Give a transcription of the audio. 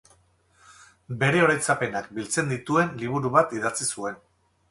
Bere oroitzapenak biltzen dituen liburu bat idatzi zuen.